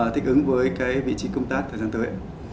thích ứng với cái vị trí công tác thời gian tới